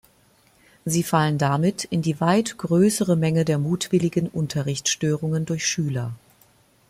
Sie fallen damit in die weit größere Menge der mutwilligen Unterrichts-Störungen durch Schüler.